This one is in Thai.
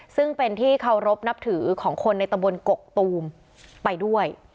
ซึ่งเป็นที่เคารพนับถือของคนในตะบนกกตูมไปด้วย